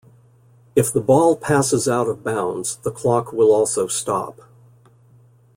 If the ball passes out of bounds, the clock will also stop.